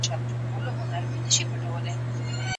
شيطان خلګ زنا ته څنګه اړ کوي؟